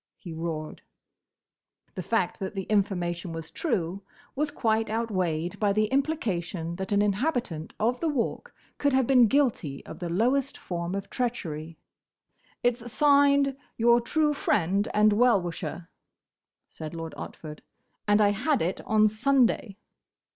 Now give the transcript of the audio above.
he roared. The fact that the information was true was quite outweighed by the implication that an inhabitant of the Walk could have been guilty of the lowest form of treachery. "It's signed, 'Your true Friend and Well wisher,'" said Lord Otford, "and I had it on Sunday."